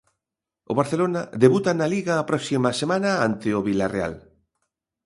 O Barcelona debuta na Liga a próxima semana ante o Vilarreal.